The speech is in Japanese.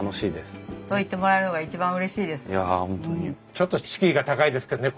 ちょっと敷居が高いですけどね